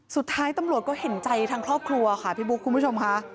สุดท้ายตำรวจก็เห็นใจทางครอบครัวค่ะพี่บุ๊คคุณผู้ชมค่ะ